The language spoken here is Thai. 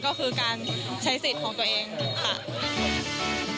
ก็คือการใช้สิทธิ์ของตัวเองค่ะ